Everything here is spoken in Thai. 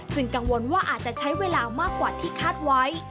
ซึ่งกังวลว่าอาจจะใช้เวลามากกว่าที่คาดไว้